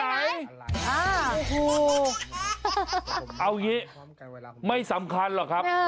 เอาไงไม่สำคัญหรอกครับ